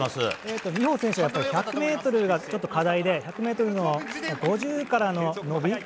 美帆選手は１００ｍがちょっと課題で１００ｍの５０からの伸び。